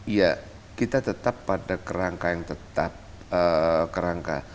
iya kita tetap pada kerangka yang tetap kerangka